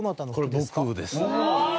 これ僕ですね。